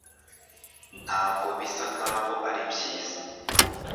ntabwo bisa nkaho ari byiza